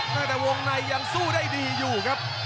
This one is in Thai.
ตั้งแต่วงในยังสู้ได้ดีอยู่ครับ